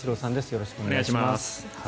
よろしくお願いします。